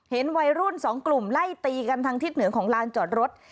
เห็นวัยรุ่นสองกลุ่มไล่ตีกันทางทิศเหนือของลานจอดรถ